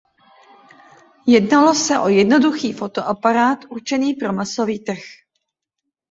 Jednalo se o jednoduchý fotoaparát určený pro masový trh.